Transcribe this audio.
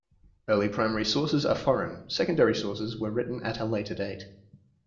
Early primary sources are foreign; secondary sources were written at a later date.